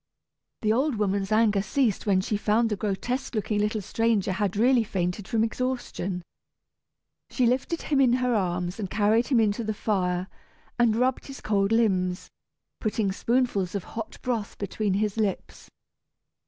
The old woman's anger ceased when she found the grotesque looking little stranger had really fainted from exhaustion. She lifted him in her arms and carried him in to the fire, and rubbed his cold limbs, putting spoonfuls of hot broth between his lips.